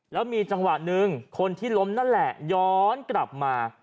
แล้วมีจังหวะหนึ่งคนที่ล้มนั่นแหละย้อนกลับมา